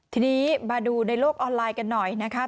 ทีนี้มาดูในโลกออนไลน์กันหน่อยนะคะ